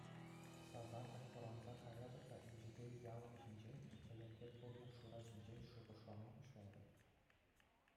Сасартӑк вӑранса каятӑп та инҫетри ялӑм ҫинчен, тӗлӗкре курнӑ Шура ҫинчен шухӑшлама пуҫлатӑп.